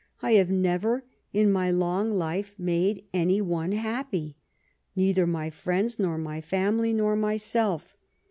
" I have never in my long life made any one happy, neither my friends, nor my family, nor myself.